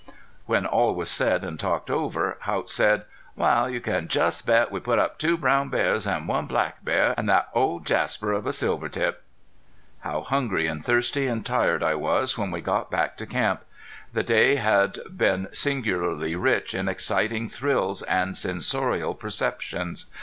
When all was told and talked over Haught said: "Wal, you can just bet we put up two brown bears an' one black bear, an' thet old Jasper of a silvertip." How hungry and thirsty and tired I was when we got back to camp! The day had been singularly rich in exciting thrills and sensorial perceptions.